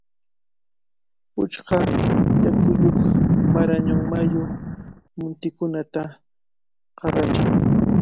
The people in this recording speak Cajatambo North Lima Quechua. Puchka yakuyuq Marañón mayu muntikunata qarachan.